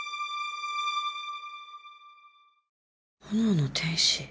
「炎の天使？」